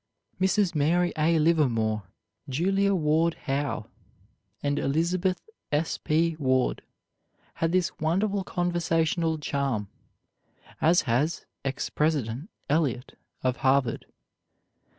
Mrs. Mary A. Livermore, Julia Ward Howe, and Elizabeth S. P. Ward, had this wonderful conversational charm, as has ex President Eliot of Harvard.